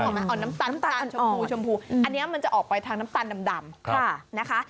ออกไหมเอาน้ำตาลชมพูชมพูอันนี้มันจะออกไปทางน้ำตาลดำนะคะ